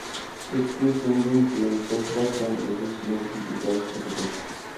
ئىككى كۈندىن كېيىن سۆھبەت دەم ئېلىش مەزگىلىگە كىردى.